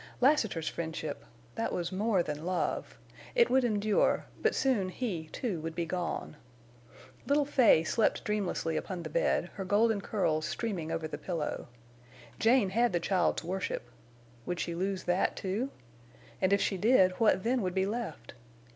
Lassiter's friendship—that was more than love—it would endure, but soon he, too, would be gone. Little Fay slept dreamlessly upon the bed, her golden curls streaming over the pillow. Jane had the child's worship. Would she lose that, too? And if she did, what then would be left?